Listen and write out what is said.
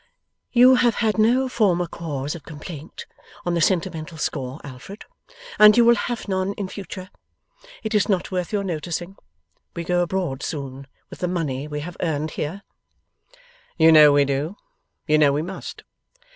'You have had no former cause of complaint on the sentimental score, Alfred, and you will have none in future. It is not worth your noticing. We go abroad soon, with the money we have earned here?' 'You know we do; you know we must.